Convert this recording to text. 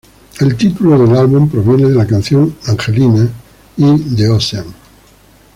El título del álbum proviene de las canciones "Angelina" y "The Ocean".